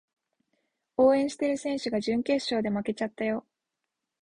応援してる選手が準決勝で負けちゃったよ